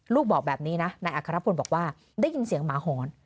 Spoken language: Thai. บอกแบบนี้นะนายอัครพลบอกว่าได้ยินเสียงหมาหอน